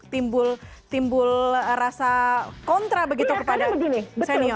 timbul rasa kontra begitu kepada senior